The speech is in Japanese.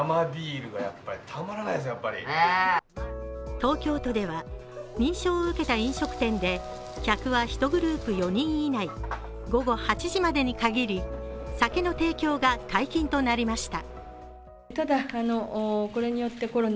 東京都では認証を受けた飲食店で客は１グループ４人以内、午後８時までにかぎり酒の提供が解禁となりました。